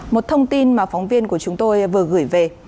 một thông tin mà phóng viên của chúng tôi vừa gửi về